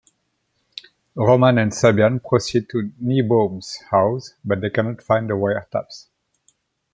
Roman and Sabian proceed to Niebaum's house, but they cannot find the wiretaps.